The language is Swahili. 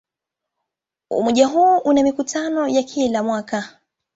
Umoja huu una mikutano ya kila mwaka.